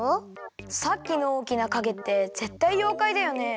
さっきのおおきなかげってぜったいようかいだよね？